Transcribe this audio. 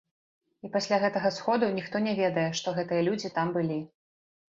І пасля гэтага сходу ніхто не ведае, што гэтыя людзі там былі.